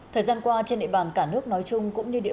thời gian qua trên địa bàn cả nước nói chung